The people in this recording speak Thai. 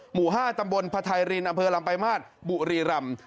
หมู่๕ตำบลพทายรินอำเภอลำปลายมาสบุรีรำ